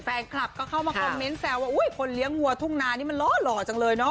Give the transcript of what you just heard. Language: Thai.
แฟนคลับก็เข้ามาคอมเมนต์แซวว่าอุ้ยคนเลี้ยงวัวทุ่งนานี่มันล่อหล่อจังเลยเนาะ